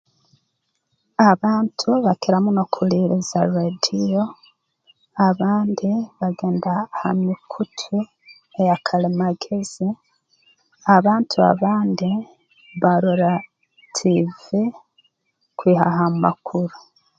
Abantu bakira muno kuhuuliriza rreediyo abandi bagenda ha mikutu eya kalimagezi abantu abandi barora tiivi kwihaho amakuru